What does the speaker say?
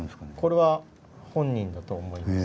これは本人だと思います。